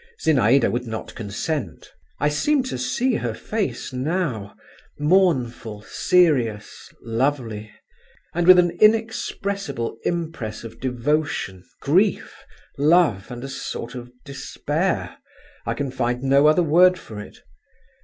Zinaïda would not consent. I seem to see her face now—mournful, serious, lovely, and with an inexpressible impress of devotion, grief, love, and a sort of despair—I can find no other word for it.